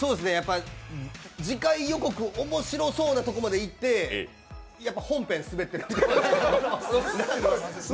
次回予告、面白そうなとこまでいって、やっぱり本編スベってるんですよ。